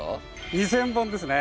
２，０００本ですね。